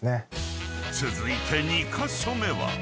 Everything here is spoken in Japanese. ［続いて２カ所目は］